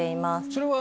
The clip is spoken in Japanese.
それは。